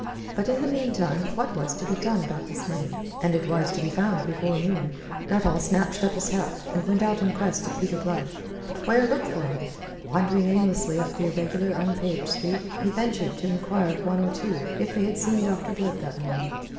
But in the meantime what was to be done about this money? And it was to be found before noon! Nuttall snatched up his hat, and went out in quest of Peter Blood. But where look for him? Wandering aimlessly up the irregular, unpaved street, he ventured to enquire of one or two if they had seen Dr. Blood that morning.